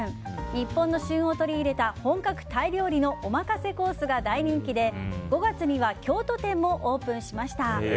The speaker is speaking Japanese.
日本の旬を取り入れた本格タイ料理のおまかせコースが大人気で５月には京都店もオープンしました。